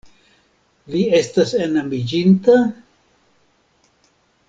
Vi estas enamiĝinta?